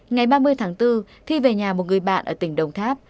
ngày ba mươi tháng bốn thi về nhà một người bạn ở tỉnh đồng tháp